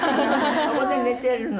そこで寝てるの？